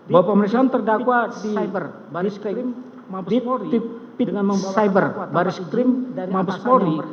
bahwa pemerintahan terdakwa di sikmh